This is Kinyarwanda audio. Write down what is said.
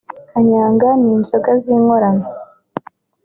kanyanga n’inzoga z’inkorano